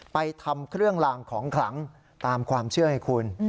ไปทำเครื่องลางของขลังตามความเชื่อให้คุณ